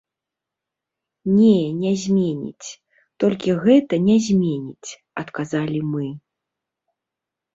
Не, не зменіць, толькі гэта не зменіць, адказалі мы.